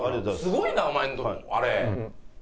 すごいなお前のとこあれ。